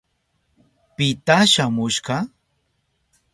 ¿Pita shamushka?